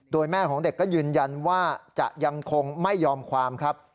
โดยแม่ของเด็กก็ยืนยันว่าจะยังคงไม่ยอมความครับ